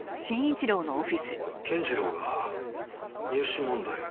健次郎が入試問題を？